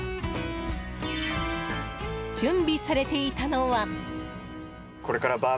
準備されていたのは。